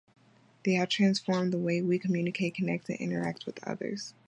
They have transformed the way we communicate, connect, and interact with others.